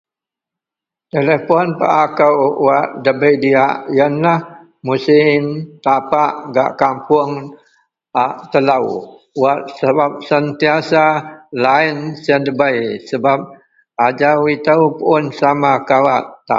Telepon paa kou wak dabei diyak iyenlah musim tapak gak kapoung ..(ak)..telo sebab sentiasa line siyen debei sebab ajau ito puon sama kawak tak